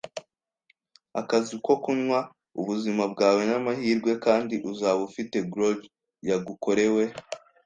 akazu ko kunywa ubuzima bwawe n'amahirwe, kandi uzaba ufite grog yagukorewe